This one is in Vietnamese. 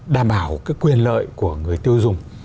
đảm bảo quyền lợi của người tiêu dùng